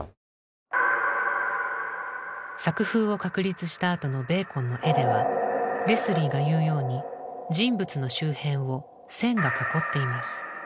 作風を確立したあとのベーコンの絵ではレスリーが言うように人物の周辺を線が囲っています。